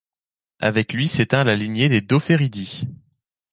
Avec lui s'éteint la lignée des Dauferidi.